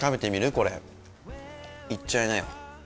これ、いっちゃいなよ。